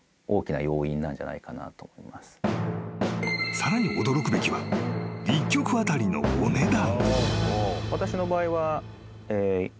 ［さらに驚くべきは一曲当たりのお値段］